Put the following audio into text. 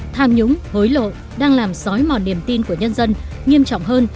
tham nhũng hối lộ đang làm sói mòn niềm tin của nhân dân nghiêm trọng hơn